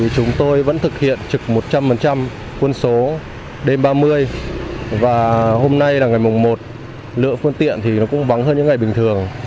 chúng tôi vẫn thực hiện trực một trăm linh quân số đêm ba mươi và hôm nay là ngày mùng một lượng phương tiện thì nó cũng vắng hơn những ngày bình thường